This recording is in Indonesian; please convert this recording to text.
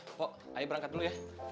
pokoknya ayo berangkat dulu ya